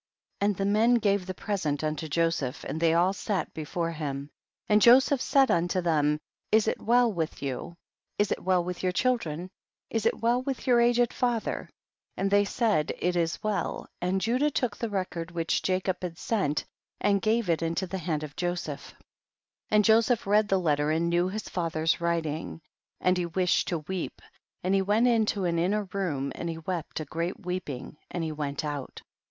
7. And the men gave the present unto Joseph and they all sat before him, and Joseph said unto them, is it well with you, is it well with your children, is it well with your aged father ? and they said it is well, and Judah took the record which Jacob had sent and gave it into the hand of Joseph. 8. And Joseph read the letter and knew his father's writing, and he wished to weep and he went into an inner room and he wept a great weeping ; and he went out.